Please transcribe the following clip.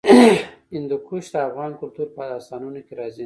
هندوکش د افغان کلتور په داستانونو کې راځي.